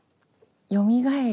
よみがえる